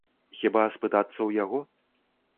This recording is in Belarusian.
Хіба спытацца ў яго?